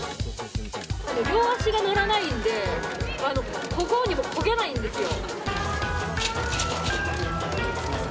両足が乗らないのでこごうにもこげないんですよ。